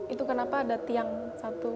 itu kenapa ada tiang satu